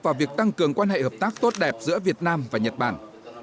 vào việc tăng cường quan hệ hợp tác tốt đẹp giữa việt nam và nhật bản